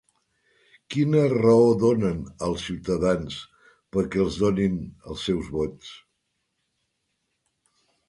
Quina raó donen als ciutadans perquè els donin els seus vots?